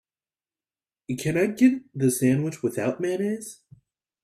Can I get the sandwich without mayonnaise?